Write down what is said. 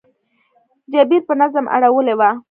جبیر په نظم اړولې وه.